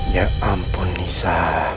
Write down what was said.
ya ampun nisa